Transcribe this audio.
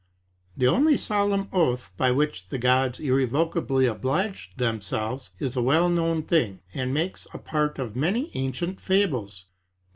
The only solemn oath, by which the gods irrevocably obliged themselves, is a well known thing, and makes a part of many ancient fables.